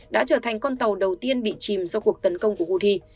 đã trở thành con tàu đầu tiên bị chìm do cuộc tấn công của houthi